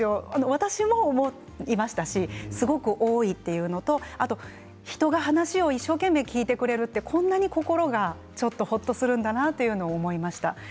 私も思いましたしすごく多いということと人が話を一生懸命、聞いてくれるってこんなに心がちょっとほっとするんだなということを思いました。